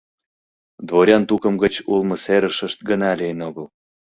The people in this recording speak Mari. Дворян тукым гыч улмо серышышт гына лийын огыл.